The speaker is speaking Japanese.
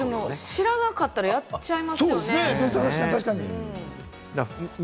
知らなかったら、やっちゃいますよね。